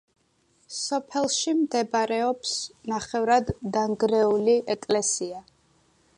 სოფელში მდებარეობს ნახევრად დანგრეული ეკლესია.